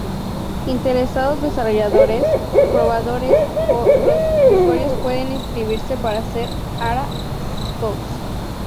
Interesados desarrolladores, probadores, o los usuarios pueden inscribirse para ser Ara Scouts.